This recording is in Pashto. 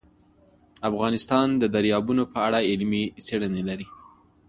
افغانستان د دریابونه په اړه علمي څېړنې لري.